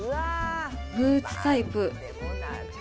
ブーツタイプ。